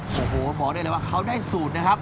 โอ้โหบอกได้เลยว่าเขาได้สูตรนะครับ